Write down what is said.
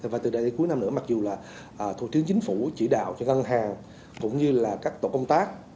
và từ đại đến cuối năm nữa mặc dù là thủ tướng chính phủ chỉ đạo cho ngân hàng cũng như là các tổ công tác